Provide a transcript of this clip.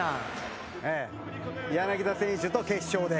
柳田選手と決勝で。